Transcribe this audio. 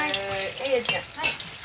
はい。